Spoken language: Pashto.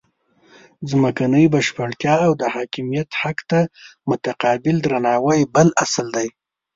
ځمکنۍ بشپړتیا او د حاکمیت حق ته متقابل درناوی بل اصل دی.